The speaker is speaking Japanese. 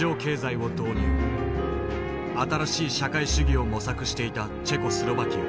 新しい社会主義を模索していたチェコスロバキア。